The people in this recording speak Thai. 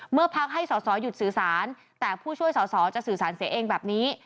พักให้สอสอหยุดสื่อสารแต่ผู้ช่วยสอสอจะสื่อสารเสียเองแบบนี้